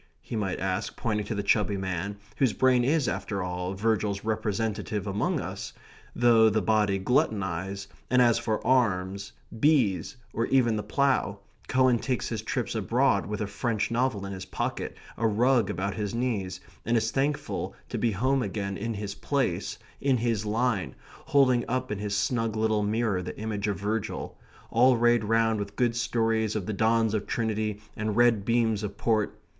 he might ask, pointing to the chubby man, whose brain is, after all, Virgil's representative among us, though the body gluttonize, and as for arms, bees, or even the plough, Cowan takes his trips abroad with a French novel in his pocket, a rug about his knees, and is thankful to be home again in his place, in his line, holding up in his snug little mirror the image of Virgil, all rayed round with good stories of the dons of Trinity and red beams of port.